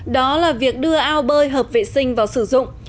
đó là việc đưa ao bơi hợp vệ sinh vào sử dụng